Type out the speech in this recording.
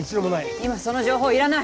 今その情報いらない。